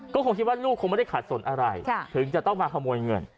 ก็คงคิดว่าลูกคงไม่ได้ขาดสนอะไรถึงจะต้องมาขโมยเงิน